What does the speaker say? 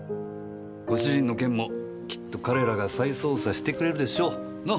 ご主人の件もきっと彼らが再捜査してくれるでしょう。な？